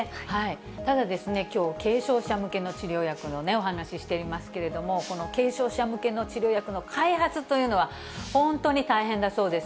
ただ、きょう、軽症者向けの治療薬のお話していますけれども、この軽症者向けの治療薬の開発というのは本当に大変だそうです。